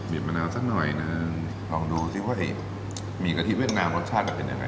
มะนาวสักหน่อยหนึ่งลองดูซิว่าหมี่กะทิเวียดนามรสชาติมันเป็นยังไง